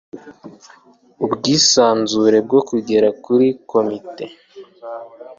ubwisanzure bwo kugera kuri komite